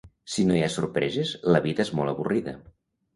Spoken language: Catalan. Si no hi ha sorpreses, la vida és molt avorrida.